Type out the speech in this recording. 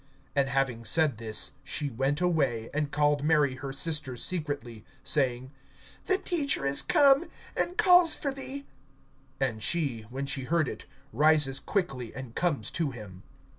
(28)And having said this, she went away, and called Mary her sister secretly, saying: The Teacher is come, and calls for thee. (29)And she, when she heard it, rises quickly and comes to him.